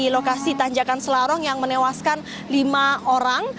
lokasi tanjakan selarong yang menewaskan lima orang